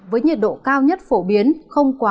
với nhiệt độ cao nhất phổ biến không quá ba mươi bốn độ